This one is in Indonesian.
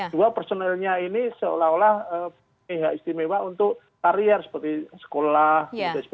dua personelnya ini seolah olah pihak istimewa untuk karier seperti sekolah